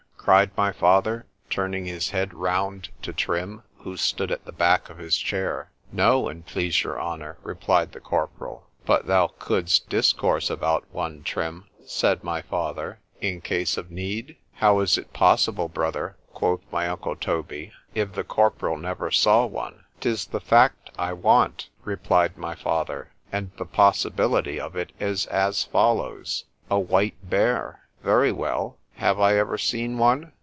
cried my father, turning his head round to Trim, who stood at the back of his chair:—No, an' please your honour, replied the corporal.——But thou couldst discourse about one, Trim, said my father, in case of need?——How is it possible, brother, quoth my uncle Toby, if the corporal never saw one?——'Tis the fact I want, replied my father,—and the possibility of it is as follows. A WHITE BEAR! Very well. Have I ever seen one?